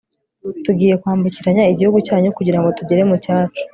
tugiye kwambukiranya igihugu cyanyu kugira ngo tugere mu cyacu